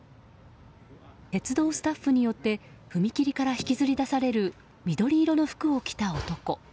鉄道スタッフによって踏切から引きずり出される緑の服を着た男。